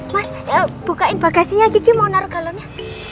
mas bukain bagasinya cici mau naruh galonnya